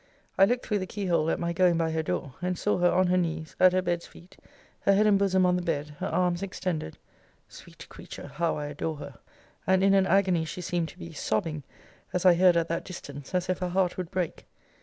I looked through the key hole at my going by her door, and saw her on her knees, at her bed's feet, her head and bosom on the bed, her arms extended; [sweet creature how I adore her!] and in an agony she seemed to be, sobbing, as I heard at that distance, as if her heart would break.